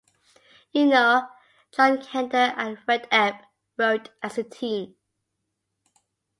You know, John Kander and Fred Ebb wrote as a team.